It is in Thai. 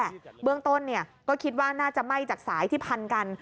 แต่เห็นภาพแล้วแหละเบื้องต้นเนี่ยก็คิดว่าน่าจะไหม้จากสายที่พันกัน